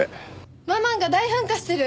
ママンが大噴火してる！